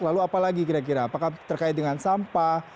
lalu apa lagi kira kira apakah terkait dengan sampah